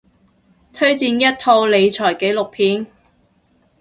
推薦一套理財紀錄片